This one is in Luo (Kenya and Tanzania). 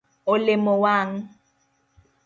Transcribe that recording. Olemo wang.